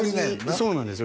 そうなんですよ